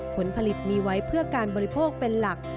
ผลผลิตมีไว้เพื่อการบริโภคเป็นหลัก